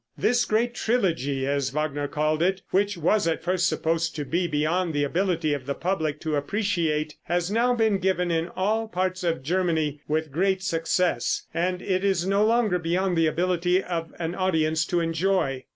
This great trilogy, as Wagner called it, which was at first supposed to be beyond the ability of the public to appreciate, has now been given in all parts of Germany with great success, and it is no longer beyond the ability of an audience to enjoy.